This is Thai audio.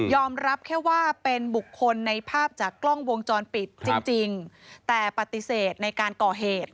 รับแค่ว่าเป็นบุคคลในภาพจากกล้องวงจรปิดจริงแต่ปฏิเสธในการก่อเหตุ